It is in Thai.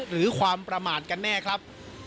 หรือความประมาทกันแน่ครับ